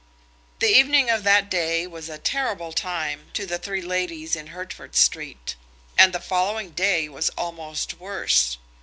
The evening of that day was a terrible time to the three ladies in Hertford Street, and the following day was almost worse.